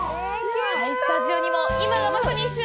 スタジオにも今がまさに旬！